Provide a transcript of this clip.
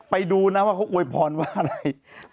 ไปดูนะว่าเขาอวยพรว่าอะไร